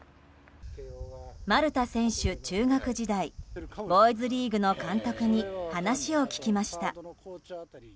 丸田選手、中学時代ボーイズリーグの監督に話を聞きました。